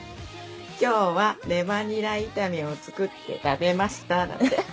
「今日はレバニラ炒めを作って食べました」だって。